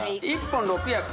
１本６役！